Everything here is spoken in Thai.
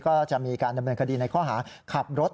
ก็จะมีการดำเนินคดีในข้อหาขับรถ